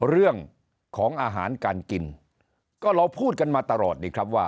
เรื่องของอาหารการกินก็เราพูดกันมาตลอดนี่ครับว่า